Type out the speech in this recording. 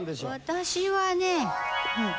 私はね